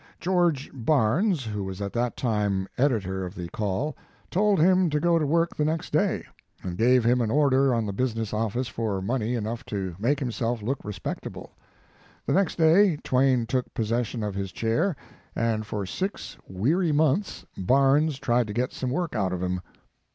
George Barnes, who was at that time editor of the Call, told him to go His Life and Work to work the next day, and gave him an order on the business office for money enough to make himself look respectable. The next day Twain took possession of his chair, and for six weary months Barnes tried to get some work cut of him.